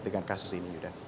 dengan kasus ini